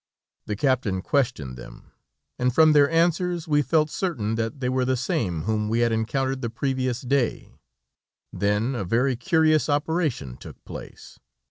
The captain questioned them, and from their answers we felt certain that they were the same whom we had encountered the previous day, then a very curious operation took place.